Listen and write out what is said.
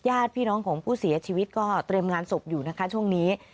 ญาติพี่น้องของผู้เสียชีวิตก็เตรียมงานศพอยู่นะคะช่วงนี้